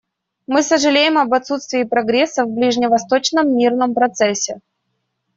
Мы сожалеем об отсутствии прогресса в ближневосточном мирном процессе.